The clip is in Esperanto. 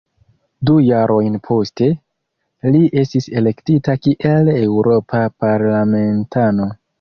Du jarojn poste, li estis elektita kiel eŭropa parlamentano.